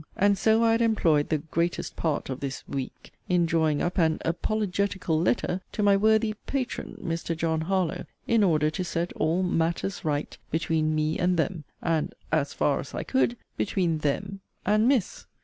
And so I had employed the 'greatest part' of this 'week,' in drawing up an 'apologetical letter' to my worthy 'patron,' Mr. John Harlowe, in order to set all 'matters right' between 'me and them,' and, ('as far as I could,') between 'them' and 'Miss.'